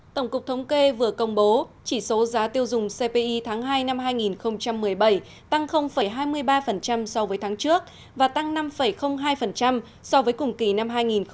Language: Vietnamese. tổng cục thống kê vừa công bố chỉ số giá tiêu dùng cpi tháng hai năm hai nghìn một mươi bảy tăng hai mươi ba so với tháng trước và tăng năm hai so với cùng kỳ năm hai nghìn một mươi bảy